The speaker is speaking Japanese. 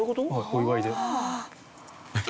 お祝いで。